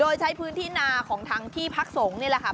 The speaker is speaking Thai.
โดยใช้พื้นที่นาของทางที่พักสงฆ์นี่แหละค่ะ